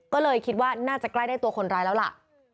ก็เลยคิดว่าน่าจะใกล้ได้ตัวคนร้ายแล้วล่ะ